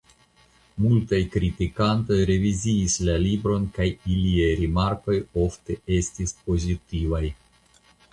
Multaj kritikantoj reviziis la libron kaj iliaj rimarkoj ofte estis pozitivaj.